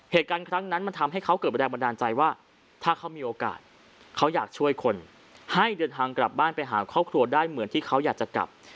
เหตุการณ์ครั้งนั้นมันทำให้เขาเกิดแรงบันดาลใจว่าถ้าเขามีโอกาสเขาอยากช่วยคนให้เดินทางกลับบ้านไปหาครอบครัวได้เหมือนที่เขาอยากจะกลับ